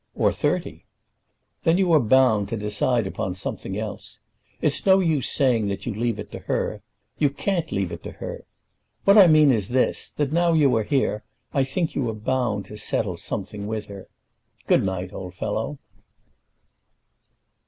"Or thirty." "Then you are bound to decide upon something else. It's no use saying that you leave it to her. You can't leave it to her. What I mean is this, that now you are here, I think you are bound to settle something with her. Good night, old fellow."